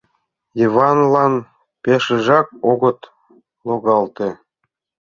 Йыванлан пешыжак огыт логалте.